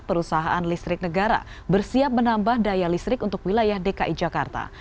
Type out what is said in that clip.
perusahaan listrik negara bersiap menambah daya listrik untuk wilayah dki jakarta